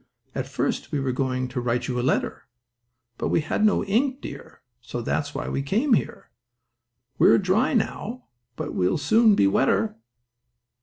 At first we were going to write you a letter; But we had no ink, dear, so that's why we came here. We're dry now, but we'll soon be wetter.